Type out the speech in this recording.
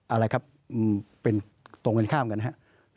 อะไรครับเป็นตรงกันข้ามกันครับ